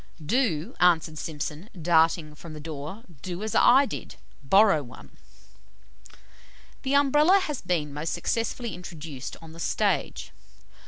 "'Do!' answered Simpson, darting from the door, 'do as I did BORROW ONE.'" The Umbrella has been most successfully introduced on the stage.